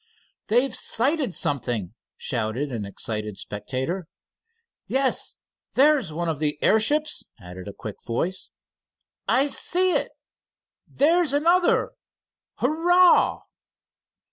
"They've sighted something," shouted an excited spectator. "Yes, there's one of the airships," added a quick voice. "I see it!" "There's another!" "Hurrah!"